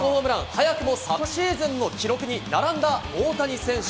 早くも昨シーズンの記録に並んだ大谷選手。